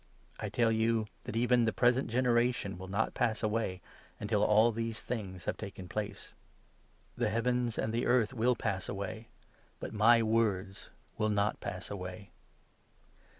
I tell you that even the present generation will not pass away, until all these things have taken place. The heavens and the earth will pass away, but my words will not pass away.